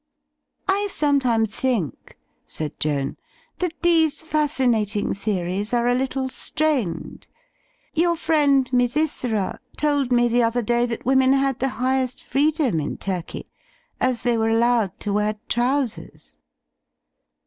*' "I sometimes think," said Joan, ''that these fascin ating theories are a little strained. Your friend Misy^ra told me the other day that women had the highest freedom in Turkey; as they were allowed to wear trousers."'